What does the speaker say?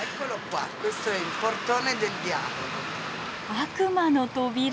悪魔の扉？